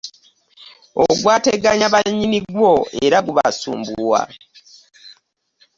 Ogwateganya banyinni gwo era kamusumbuwa .